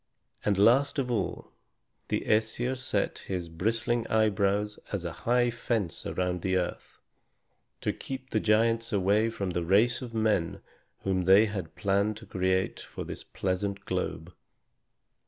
And last of all, the Æsir set his bristling eyebrows as a high fence around the earth, to keep the giants away from the race of men whom they had planned to create for this pleasant globe.